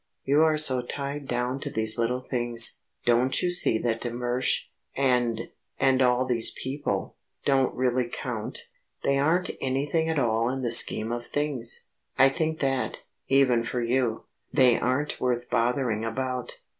You are so tied down to these little things. Don't you see that de Mersch, and and all these people don't really count? They aren't anything at all in the scheme of things. I think that, even for you, they aren't worth bothering about.